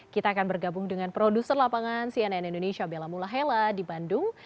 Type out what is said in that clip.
kita akan bergabung dengan produser lapangan cnn indonesia bella mulahela di bandung